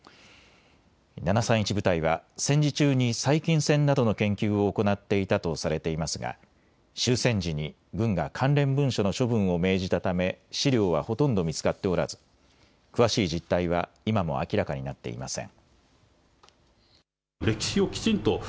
７３１部隊は戦時中に細菌戦などの研究を行っていたとされていますが終戦時に軍が関連文書の処分を命じたため資料はほとんど見つかっておらず、詳しい実態は今も明らかになっていません。